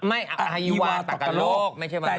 อัยวาตกโลกไม่ใช่วันนโลก